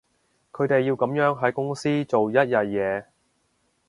佢哋要噉樣喺公司做一日嘢